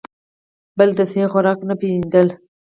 بل د سهي خوراک نۀ پېژندل ،